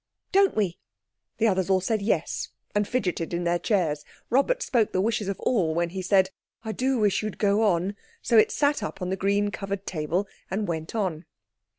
Don't we?" The others all said yes—and fidgeted in their chairs. Robert spoke the wishes of all when he said— "I do wish you'd go on." So it sat up on the green covered table and went on.